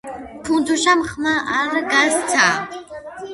ფუნთუშამ ხმა არ გასცა